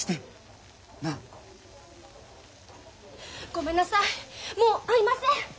ごめんなさいもう会いません！